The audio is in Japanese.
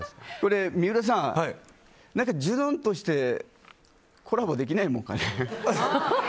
三浦さん、ジュノンとしてコラボできないもんかね？